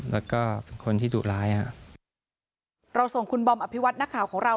แล้วก็เป็นคนที่ดุร้ายฮะเราส่งคุณบอมอภิวัตินักข่าวของเรา